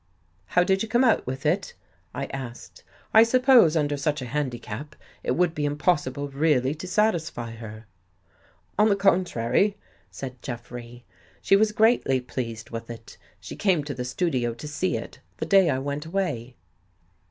" How did you come out with it? " I asked. " I suppose under such a handicap, it would be impos sible really to satisfy her." " On the contrary," said Jeffrey, " she was greatly pleased with it. She came to the studio to see it, the day I went away."